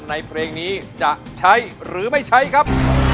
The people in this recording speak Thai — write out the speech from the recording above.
เพลงนี้จะใช้หรือไม่ใช้ครับ